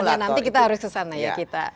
ya nanti kita harus kesana ya